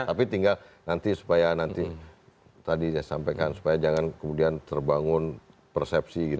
tapi tinggal nanti supaya nanti tadi saya sampaikan supaya jangan kemudian terbangun persepsi